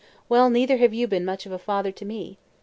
Well, neither have you been much of a father to me.